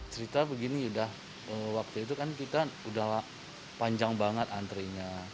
cerita begini udah waktu itu kan kita udah panjang banget antrenya